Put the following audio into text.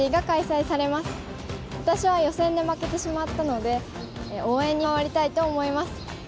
私は予選で負けてしまったので応援に回りたいと思います。